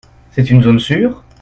C’est une zone sûre ?